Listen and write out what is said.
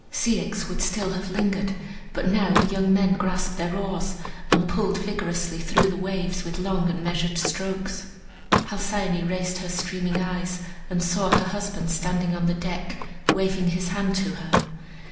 Ceyx would still have lingered, but now the young men grasped their oars and pulled vigorously through the waves, with long and measured strokes. Halcyone raised her streaming eyes, and saw her husband standing on the deck, waving his hand to her.